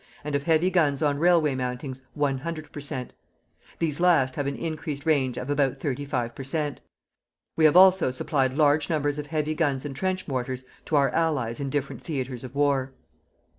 and of heavy guns on railway mountings 100 per cent.; these last have an increased range of about 35 per cent.... We have also supplied large numbers of heavy guns and trench mortars to our Allies in different theatres of war.